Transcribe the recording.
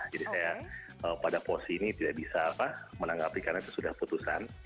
jadi saya pada posisi ini tidak bisa menanggapi karena itu sudah keputusan